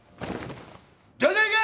出ていけ！